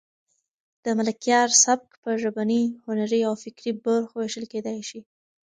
د ملکیار سبک په ژبني، هنري او فکري برخو وېشل کېدای شي.